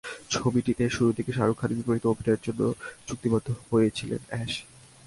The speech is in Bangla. ছবিটিতে শুরুর দিকে শাহরুখ খানের বিপরীতে অভিনয়ের জন্য চুক্তিবদ্ধ হয়েছিলেন অ্যাশ।